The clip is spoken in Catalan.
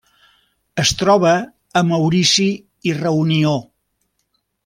Es troba a Maurici i Reunió.